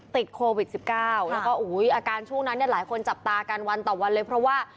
ติดโควิด๑๙แล้วก็อาการช่วงนั้นเนี่ยหลายคนจับตากันวันต่อวันเลยเพราะว่า